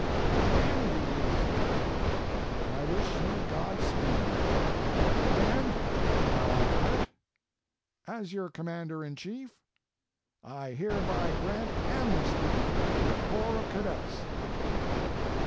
I envy you for it, and I wish you Godspeed. And while I'm at it, as your Commander in Chief, I hereby grant amnesty to the Corps of Cadets.